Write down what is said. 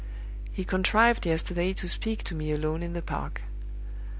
He contrived yesterday to speak to me alone in the park.